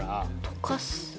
溶かす。